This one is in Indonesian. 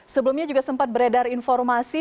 sebelumnya juga sempat beredar informasi